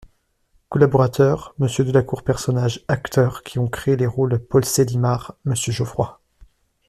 COLLABORATEURS : Monsieur DELACOUR PERSONNAGES Acteurs qui ont créé les rôles Paul Célimare : MMonsieur Geoffroy.